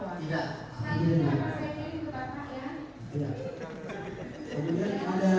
mana yang mau diberikan